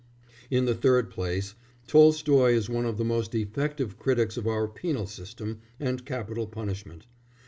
In the third place, Tolstoy is one of the most effective critics of our penal system and capital punishment.